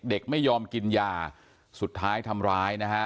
เด็กไม่ยอมกินยาสุดท้ายทำร้ายนะฮะ